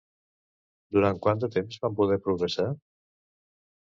Durant quant de temps van poder progressar?